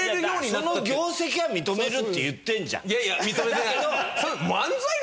その業績は認めるって言ってるじゃん。